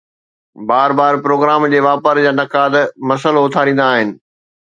بار بار پروگرام جي واپار جا نقاد مسئلو اٿاريندا آهن